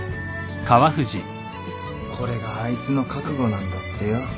これがあいつの覚悟なんだってよ。